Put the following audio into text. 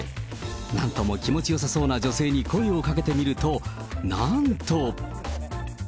なんとも気持ちよさそうな女性に声をかけてみると、なんと。